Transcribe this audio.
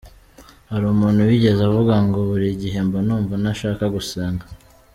Hari umuntu wigeze avuga ngo, “Buri gihe mba numva ntashaka gusenga.